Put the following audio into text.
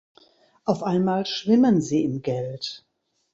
Auf einmal schwimmen sie im Geld.